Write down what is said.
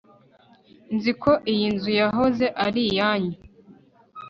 nzi ko iyi nzu yahoze ari iyanyu